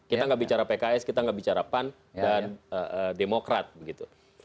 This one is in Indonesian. kita tidak bicara pks kita tidak bicara pan dan demokrat